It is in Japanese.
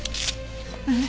うん。